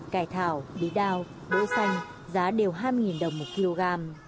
cài thảo bí đao đỗ xanh giá đều hai mươi đồng một kg